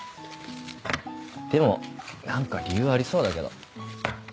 でも何か理由ありそうだけど。